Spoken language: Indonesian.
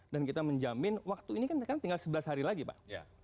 dan kita menjamin waktu ini kan tinggal sebelas hari lagi pak